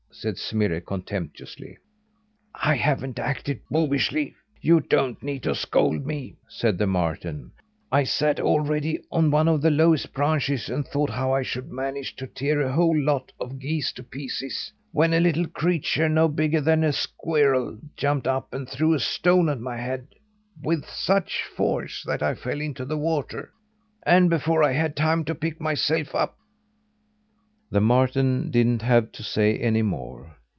said Smirre, contemptuously. "I haven't acted boobyishly. You don't need to scold me," said the marten. "I sat all ready on one of the lowest branches and thought how I should manage to tear a whole lot of geese to pieces, when a little creature, no bigger than a squirrel, jumped up and threw a stone at my head with such force, that I fell into the water; and before I had time to pick myself up " The marten didn't have to say any more.